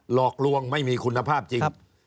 หลอกลวงไม่มีคุณภาพจริง